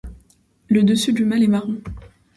Le dessus du mâle est marron.